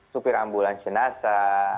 supir ambulansi nasa